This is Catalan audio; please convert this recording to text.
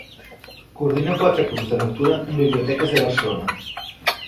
Coordina quatre clubs de lectura en biblioteques de Barcelona.